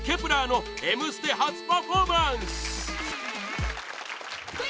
１ｅｒの「Ｍステ」初パフォーマンス！